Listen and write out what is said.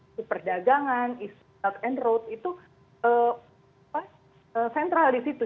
isu perdagangan isu health and road itu sentral di situ